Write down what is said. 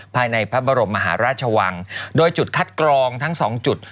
ภายในพระบรมมหาราชวังโดยจุดคัดกรองทั้งสองจุด